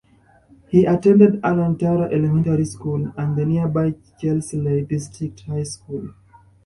He attended Arran Tara Elementary School and the nearby Chesley District High School.